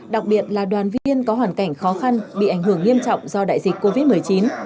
đặc biệt là đoàn viên có hoàn cảnh khó khăn bị ảnh hưởng nghiêm trọng do đại dịch covid một mươi chín